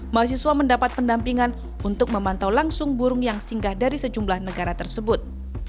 mahasiswa mendapat pendampingan untuk memantau langsung burung yang singgah dari sejumlah negara tersebut